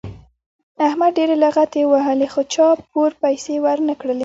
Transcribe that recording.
احمد ډېرې لغتې ووهلې خو چا پور پیسې ور نه کړلې.